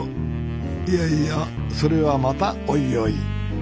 いやいやそれはまたおいおい。